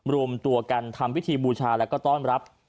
รวมตัวกันทำพิธีบูชาแล้วก็ต้อนรับ